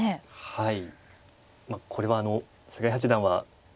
はい。